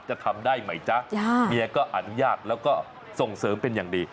จะทำได้ไหมจ๊ะเมียก็อนุญาตแล้วก็ส่งเสริมเป็นอย่างดี